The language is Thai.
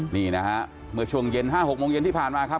นี่นะฮะเมื่อช่วงเย็น๕๖โมงเย็นที่ผ่านมาครับ